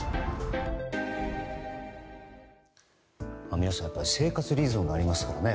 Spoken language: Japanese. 皆さん、やっぱり生活リズムがありますからね。